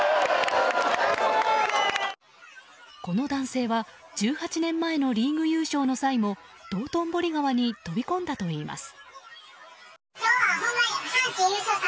この男性は１８年前のリーグ優勝の際も道頓堀川に飛び込んだといいます。